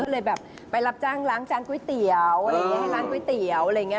เลยแบบไปรับจ้างล้างจานก๋วยเตี๋ยวล้างก๋วยเตี๋ยวอะไรอย่างนี้